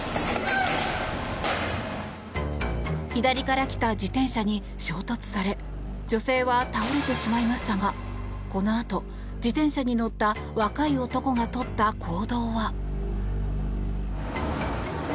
左から来た自転車に衝突され女性は倒れてしまいましたがこのあと、自転車に乗った若い男がとった行動は。